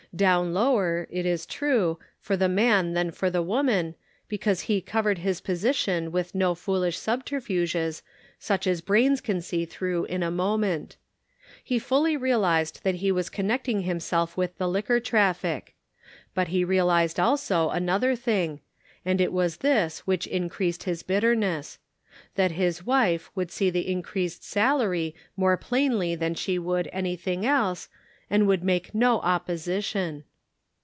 Down lower, it is true, for the man than for the woman, because he covered his position with no foolish subterfuges such as brains can see through in a moment. He fully realized that he was connecting himself with the liquor traffic. But he realized also another thing, and it was this which increased his bitterness: that his wife would see the increased salary more plainly than she would anything else, and would make no op position.